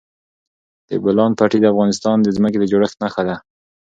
د بولان پټي د افغانستان د ځمکې د جوړښت نښه ده.